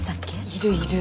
いるいる。